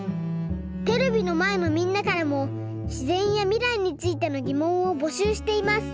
テレビのまえのみんなからもしぜんやみらいについてのぎもんをぼしゅうしています。